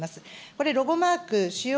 これ、ロゴマーク使用